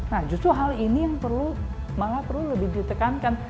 nah justru hal ini yang perlu malah perlu lebih ditekankan